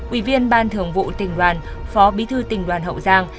ủy viên ban thường vụ tỉnh đoàn phò bi thư tỉnh đoàn hậu giang